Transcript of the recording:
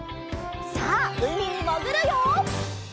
さあうみにもぐるよ！